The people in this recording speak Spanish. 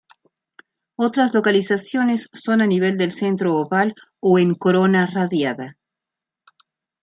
Otras localizaciones son a nivel del centro oval o en corona radiada.